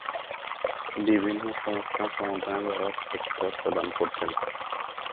বিভিন্ন সমস্যা সমাধানে যারা ফতোয়া প্রদান করতেন।